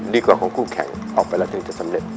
กว่าของคู่แข่งออกไปแล้วถึงจะสำเร็จ